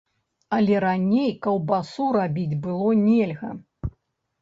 Але раней каўбасу рабіць было нельга.